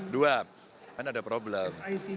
dua kan ada problem